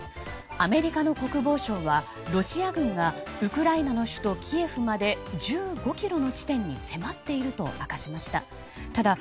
アメリカの国防省はロシア軍がウクライナの首都キエフまで１５ｋｍの地点に迫っていると明かしました。